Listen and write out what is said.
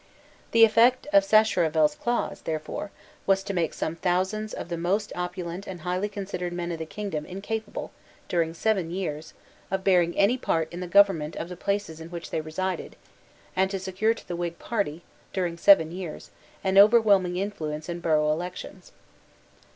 The effect of Sacheverell's clause, therefore, was to make some thousands of the most opulent and highly considered men in the kingdom incapable, during seven years, of bearing any part in the government of the places in which they resided, and to secure to the Whig party, during seven years, an overwhelming influence in borough elections.